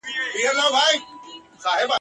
نور لا څه غواړې له ستوني د منصوره !.